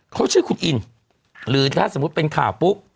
เขาชื่อคุณอินหรือถ้าสมมุติเป็นข่าวปุ๊บ